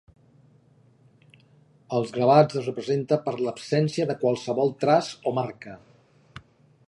Als gravats es representa per l'absència de qualsevol traç o marca.